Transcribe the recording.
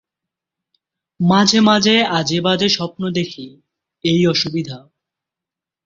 মাঝে মাঝে আজেবাজে স্বপ্ন দেখি, এই অসুবিধা।